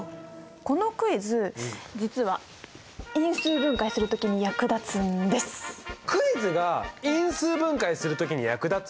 このクイズ実はクイズが因数分解する時に役立つ？